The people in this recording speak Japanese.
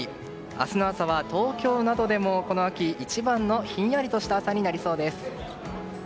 明日の朝は東京などでもこの秋一番のひんやりとした朝になりそうです。